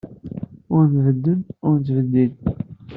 Ur nbeddel, ur nettbeddil.